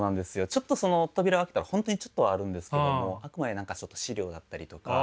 ちょっとその扉を開けたら本当にちょっとはあるんですけどもあくまで何かちょっと資料だったりとか。